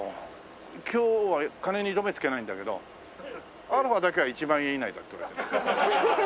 今日は金に糸目つけないんだけどアロハだけは１万円以内だって言われて。